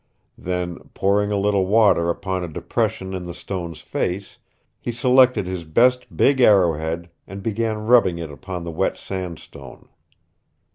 Then, pouring a little water upon a depression in the stone's face, he selected his best big arrowhead and began rubbing it upon the wet sandstone.